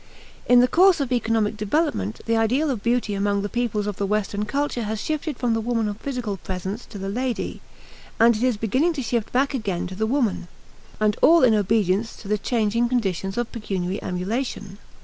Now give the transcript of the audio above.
In the course of economic development the ideal of beauty among the peoples of the Western culture has shifted from the woman of physical presence to the lady, and it is beginning to shift back again to the woman; and all in obedience to the changing conditions of pecuniary emulation.